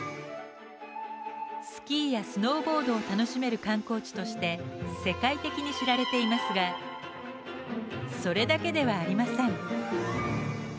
スキーやスノーボードを楽しめる観光地として世界的に知られていますがそれだけではありません。